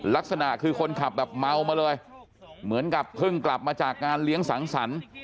ลักษณะคือคนขับแบบเมามาเลยเหมือนกับเพิ่งกลับมาจากงานเลี้ยงสังสรรค์